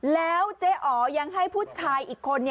แล้วเจ๊อ๋อยังให้ผู้ชายอีกคน